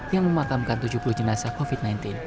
yang memakamkan tujuh puluh jenazah covid sembilan belas